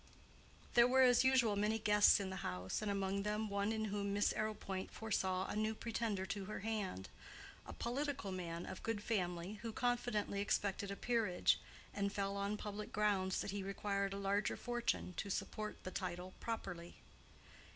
There were as usual many guests in the house, and among them one in whom Miss Arrowpoint foresaw a new pretender to her hand: a political man of good family who confidently expected a peerage, and felt on public grounds that he required a larger fortune to support the title properly.